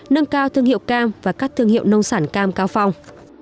nâng cao thương hiệu cam và các thương hiệu nông sản cam cao phong